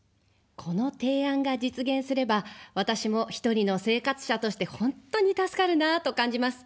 この提案が実現すれば私も１人の生活者として本当に助かるなあと感じます。